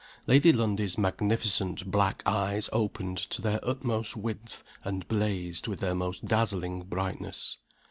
Lady Lundie's magnificent black eyes opened to their utmost width, and blazed with their most dazzling brightness.